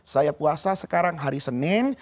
saya puasa sekarang hari senin